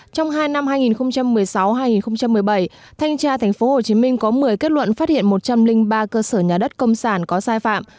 trong hai năm hai nghìn một mươi sáu hai nghìn một mươi bảy thanh tra tp hcm có một mươi kết luận phát hiện một trăm linh ba cơ sở nhà đất công sản có sai phạm